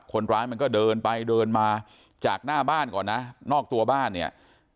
คนร้ายมันก็เดินไปเดินมาจากหน้าบ้านก่อนนะนอกตัวบ้านเนี่ย